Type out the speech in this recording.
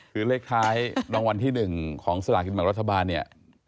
คือเลขท้ายรางวัลที่๑ของสลากิตมอลรุทธบาลนี่